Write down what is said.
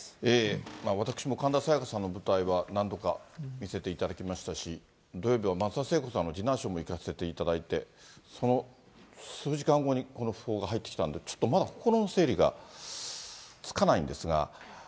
私も神田沙也加さんの舞台は何度か見せていただきましたし、土曜日は松田聖子さんのディナーショーも行かせていただいて、その数時間後にこの訃報が入ってきたんで、ちょっとまだ心の整理がつかないんですが。